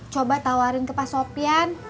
coba tawarin ke pak sofian